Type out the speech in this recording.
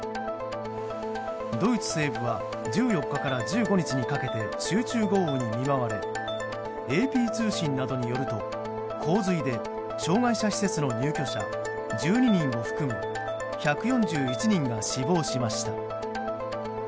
ドイツ西部は１４日から１５日にかけて集中豪雨に見舞われＡＰ通信などによると洪水で障害者施設の入居者１２人を含む１４１人が死亡しました。